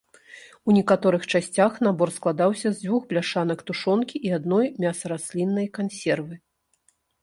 У некаторых часцях набор складаўся з дзвюх бляшанак тушонкі і адной мясарасліннай кансервы.